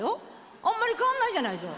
あんまり変わんないじゃないじゃあ。